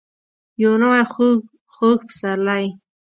یو نوی خوږ. خوږ پسرلی ،